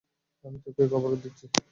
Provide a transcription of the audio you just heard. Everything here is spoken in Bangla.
আমি তোকে কভার দিচ্ছি।